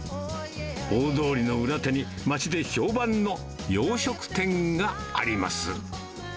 大通りの裏手に、町で評判の洋食店があります。